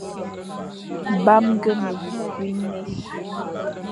Bamge me buné,